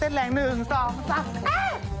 แต่เด็กสมัยต้องเต้นแรง๑๒ซับ